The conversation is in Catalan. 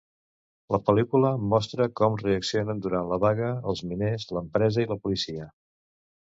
La pel·lícula mostra com reaccionen durant la vaga els miners, l'empresa i la policia.